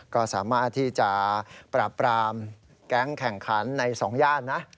ก็สามารถที่จะปราบปรามแก๊งแข่งขันในสองย่านนะ